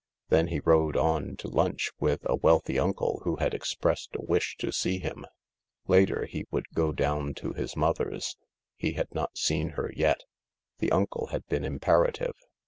Then he rode on to lunch with a wealthy uncle who had expressed a wish to see him. Later he would go down to his mother's. He had not seen her yet. The uncle had been imperative.